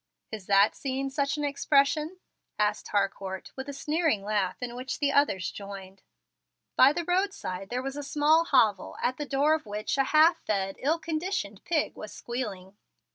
'" "Is that scene such an expression?" asked Harcourt, with a sneering laugh, in which the others joined. By the road side there was a small hovel, at the door of which a half fed, ill conditioned pig was squealing.